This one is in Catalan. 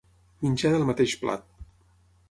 Menjar del mateix plat.